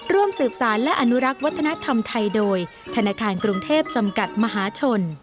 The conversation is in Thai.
ร่วมสืบสารและอนุรักษ์วัฒนธรรมไทยโดยธนาคารกรุงเทพจำกัดมหาชน